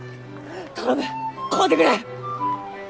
頼む買うてくれ！